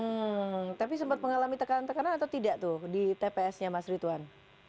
hmm tapi sempat mengalami tekanan tekanan atau tidak tuh di tps nya mas rituan